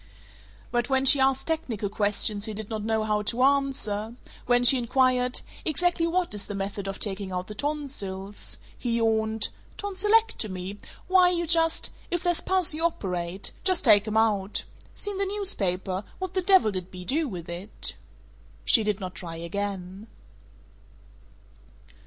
But when she asked technical questions he did not know how to answer; when she inquired, "Exactly what is the method of taking out the tonsils?" he yawned, "Tonsilectomy? Why you just If there's pus, you operate. Just take 'em out. Seen the newspaper? What the devil did Bea do with it?" She did not try again.